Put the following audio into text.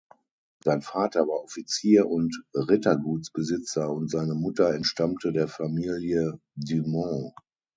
Sein Vater war Offizier und Rittergutsbesitzer und seine Mutter entstammte der Familie "Dumont".